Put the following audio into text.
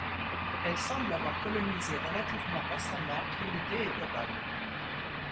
Elle semble avoir colonisé relativement récemment Trinité-et-Tobago.